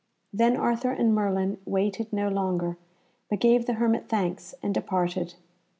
Then Arthur and Merlin waited no longer, but gave the hermit thanks and departed.